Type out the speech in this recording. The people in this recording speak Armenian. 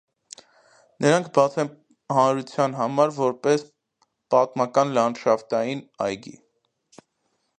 Նրանք բաց են հանրության համար որպես պատմական լանդշաֆտային այգի։